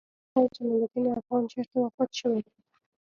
سیدجمال الدین افغان چېرته وفات شوی و؟